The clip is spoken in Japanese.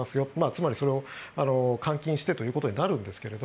つまりそれを換金してということになるんですが。